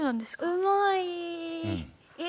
うまい。